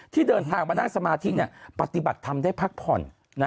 ที่เดินทางมานั่งสมาธิปฏิบัติธรรมได้พักผ่อน